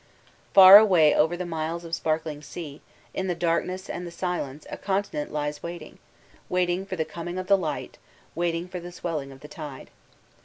Far away — away over the miles of sparkling sea, in the darkness and the silence a con tinent lies waiting ; waiting for the coming of the light. waiting for the swelling of the tide.